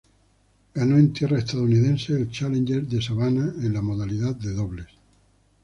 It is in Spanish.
Ganó en tierras estadounidenses el Challenger de Savannah en la modalidad de dobles.